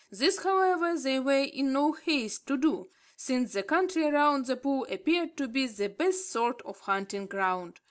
This, however, they were in no haste to do, since the country around the pool appeared to be the best sort of hunting ground.